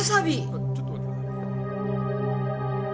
あっちょっと待ってくださいね。